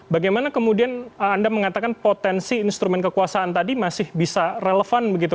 bagaimana kemudian anda mengatakan potensi instrumen kekuasaan tadi masih bisa relevan begitu